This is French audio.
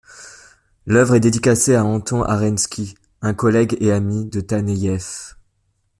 L'œuvre est dédicacée à Anton Arensky, un collègue et ami de Taneïev.